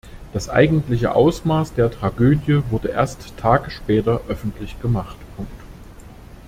Das eigentliche Ausmaß der Tragödie wurde erst Tage später öffentlich gemacht.